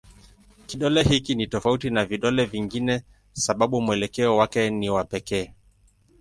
Kidole hiki ni tofauti na vidole vingine kwa sababu mwelekeo wake ni wa pekee.